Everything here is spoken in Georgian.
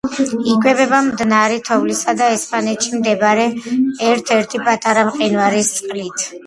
იკვებება მდნარი თოვლისა და ესპანეთში მდებარე ერთ-ერთი პატარა მყინვარის წყლით.